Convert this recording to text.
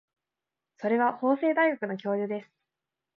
それは法政大学の教授です。